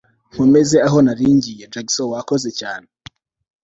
nkomeze aho nari ngiye Jackson wakoze cyane